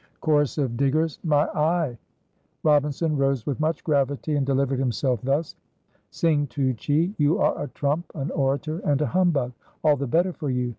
Chorus of diggers. "My eye!" Robinson rose with much gravity and delivered himself thus: "Sing tu Che, you are a trump, an orator, and a humbug. All the better for you.